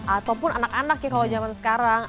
ataupun anak anak ya kalau zaman sekarang